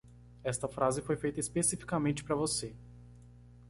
Esta frase foi feita especificamente para você.